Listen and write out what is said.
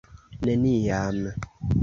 Neniam!